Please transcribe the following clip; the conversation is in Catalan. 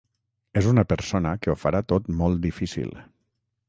És una persona que ho farà tot molt difícil.